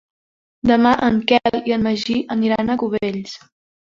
Demà en Quel i en Magí aniran a Cubells.